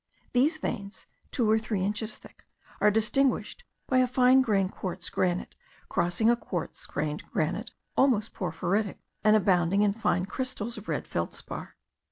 These veins, two or three inches thick, are distinguished by a fine grained quartz granite crossing a coarse grained granite almost porphyritic, and abounding in fine crystals of red feldspar.